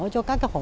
cho cánh đồng lúa